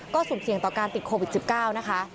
ก็สุ่มเสี่ยงต่อการติดโควิด๑๙นะคะ